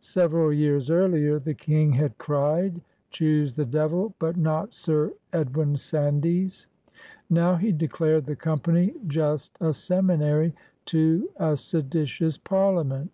Several years earlier the King had cried, " Choose the Devil, but not Sir Edwyn Sandys!" Now he declared the Company just a seminary to a sedi tious parliament!'